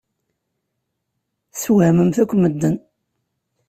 Teswehmemt akk medden.